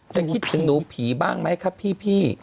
คิดถึงหนูผีบ้างไหมครับพี่